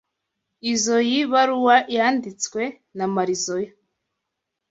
Izoi baruwa yanditswe na Marizoa?